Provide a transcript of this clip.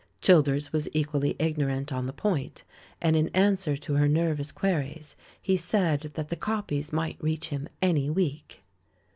Childers was equally ignorant on the point, and in answer to her nervous queries he said that the copies might reach him any week.